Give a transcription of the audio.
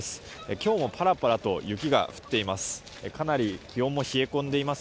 今日もパラパラと雪が降っています。